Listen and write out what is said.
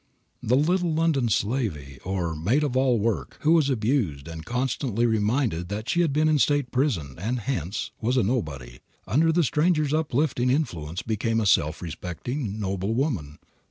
The little London "slavey," or maid of all work who was abused and constantly reminded that she had been in State Prison and hence was a nobody, under the Stranger's uplifting influence became a self respecting, noble woman.